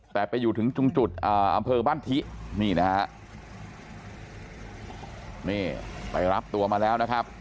แต่ไปอยู่ถึงจุงจุดอำเภอบ้านทินี่นะฮะนี่ไปรับตัวมาแล้วนะครับ